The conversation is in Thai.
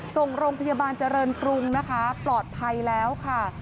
ส่งโรงพยาบาลเจริญกรุงนะคะปลอดภัยแล้วค่ะ